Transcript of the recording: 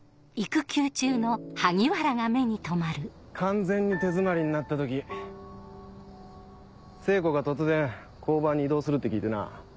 完全に手詰まりになった時聖子が突然交番に異動するって聞いてな。